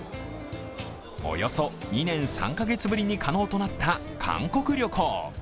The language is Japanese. およそ２年３カ月ぶりに可能となった韓国旅行。